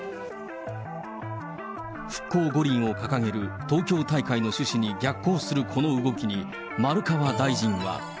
復興五輪を掲げる東京大会の趣旨に逆行するこの動きに丸川大臣は。